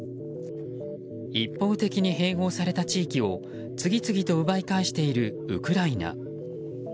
一方的に併合された地域を次々と奪い返しているウクライナ。